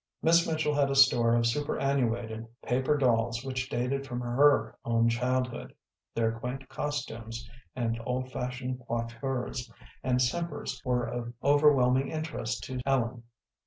Miss Mitchell had a store of superannuated paper dolls which dated from her own childhood. Their quaint costumes, and old fashioned coiffures, and simpers were of overwhelming interest to Ellen.